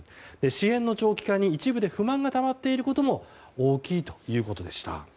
支援の長期化に一部で不満がたまっていることも大きいということでした。